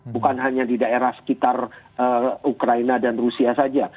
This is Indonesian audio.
bukan hanya di daerah sekitar ukraina dan rusia saja